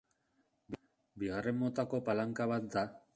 Bigarren motako palanka bat da.